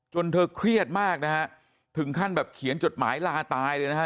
เธอเครียดมากนะฮะถึงขั้นแบบเขียนจดหมายลาตายเลยนะฮะ